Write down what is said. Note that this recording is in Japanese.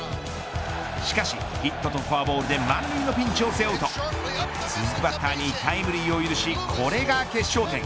しかし、ヒットとフォアボールで満塁のピンチを背負うと続くバッターにタイムリーを許しこれが決勝点。